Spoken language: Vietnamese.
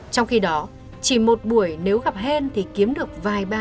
trong khi đó chỉ một buổi nếu gặp hên thì kiếm được vài